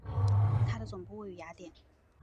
它的总部位于雅典。